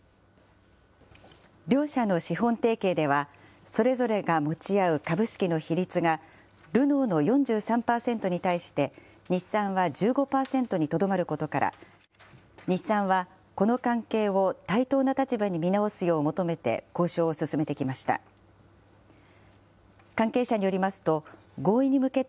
両社の資本提携では、それぞれが持ち合う株式の比率が、ルノーの４３％に対して、日産は１５％にとどまることから、日産はこの関係を対等な立場に見直すよう求めて、交渉を進めてきました。